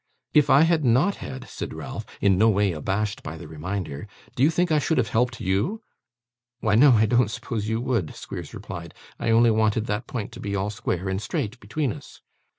'If I had not had,' said Ralph, in no way abashed by the reminder, 'do you think I should have helped you?' 'Why no, I don't suppose you would,' Squeers replied. 'I only wanted that point to be all square and straight between us.